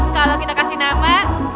kalau kita kasih nama